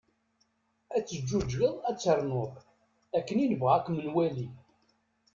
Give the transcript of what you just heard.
Ad teǧğuğegḍ ad trennuḍ, akken i nebɣa ad kem-nwali."